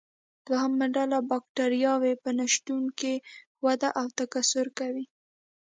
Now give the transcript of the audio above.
دوهمه ډله بکټریاوې په نشتون کې وده او تکثر کوي.